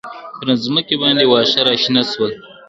پر مځکي باندي واښه راشنه سول.